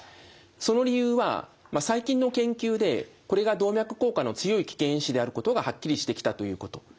その理由は最近の研究でこれが動脈硬化の強い危険因子であることがはっきりしてきたということ。